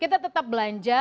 kita tetap belanja